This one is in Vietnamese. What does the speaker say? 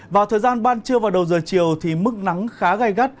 vào thời gian ban trưa và đầu giờ chiều thì mức nắng khá gai gắt